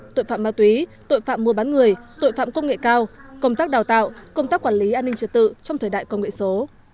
tội phạm ma túy tội phạm mua bán người tội phạm công nghệ cao công tác đào tạo công tác quản lý an ninh trật tự trong thời đại công nghệ số